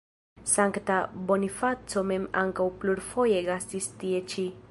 Sankta Bonifaco mem ankaŭ plurfoje gastis tie ĉi.